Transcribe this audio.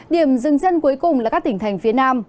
điểm dừng chân cuối cùng là các tỉnh thành phía nam